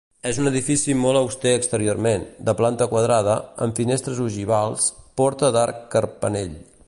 És un edifici molt auster exteriorment, de planta quadrada, amb finestres ogivals, porta d'arc carpanell.